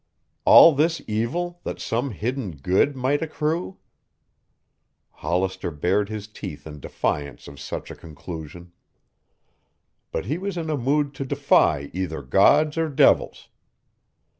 All this evil that some hidden good might accrue? Hollister bared his teeth in defiance of such a conclusion. But he was in a mood to defy either gods or devils.